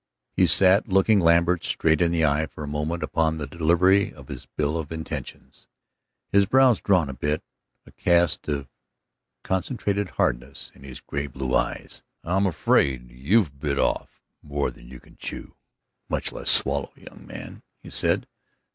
He sat looking Lambert straight in the eyes for a moment upon the delivery of this bill of intentions, his brows drawn a bit, a cast of concentrated hardness in his gray blue eyes. "I'm afraid you've bit off more than you can chew, much less swallow, young man," he said.